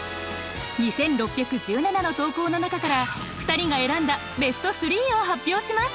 ２，６１７の投稿の中から２人が選んだベスト３を発表します！